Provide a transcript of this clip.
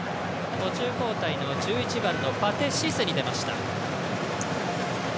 途中交代の１１番のパテ・シスに出ました。